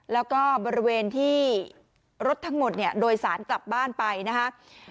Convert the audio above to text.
แล้วก็บริเวณที่รถทั้งหมดเนี่ยโดยสารกลับบ้านไปนะครับ